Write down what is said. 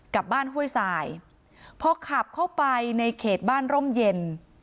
กลับบ้านห้วยสายพอขับเข้าไปในเขตบ้านร่มเย็น